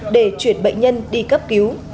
để chuyển bệnh nhân đi cấp cứu